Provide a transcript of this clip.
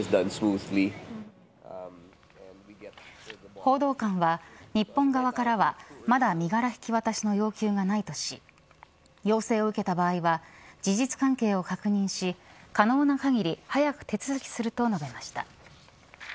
報道官は日本側からはまだ身柄引き渡しの要求がないとし要請を受けた場合は事実関係を確認し、可能な限り早く手続きすると述べました。